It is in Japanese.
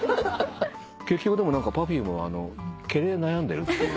結局Ｐｅｒｆｕｍｅは毛で悩んでるっていう。